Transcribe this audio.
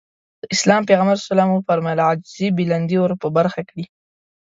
د اسلام پيغمبر ص وفرمايل عاجزي بلندي ورپه برخه کړي.